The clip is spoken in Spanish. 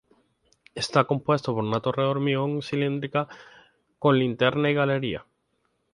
Está compuesto por una torre de hormigón cilíndrica con linterna y galería.